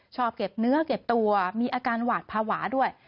ชอบเก็บเนื้อเก็บตัวมีอาการหวาดภาวะด้วย